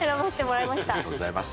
ありがとうございます。